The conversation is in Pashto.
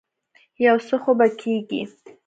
يو څه خو به کېږي.